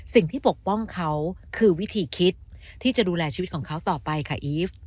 ปกป้องเขาคือวิธีคิดที่จะดูแลชีวิตของเขาต่อไปค่ะอีฟ